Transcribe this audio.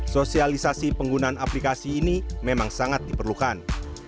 sosialisasi penggunaan aplikasi ini memang sangat diperlukan